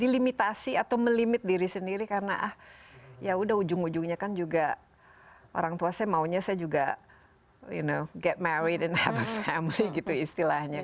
dilimitasi atau melimit diri sendiri karena ya udah ujung ujungnya kan juga orang tua saya maunya saya juga you know get married and have a family gitu istilahnya